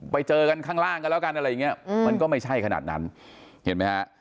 ไปเจอกันข้างล่างกันแล้วกันอะไรอย่างเงี้ยมันก็ไม่ใช่ขนาดนั้นเห็นไหมฮะ